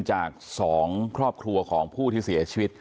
จาก๒ครอบครัวของผู้ที่เสียชีวิต